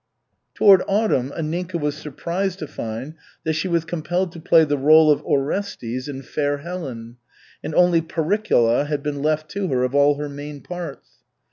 Toward autumn Anninka was surprised to find that she was compelled to play the rôle of Orestes in Fair Helen, and only Pericola had been left to her of all her main parts.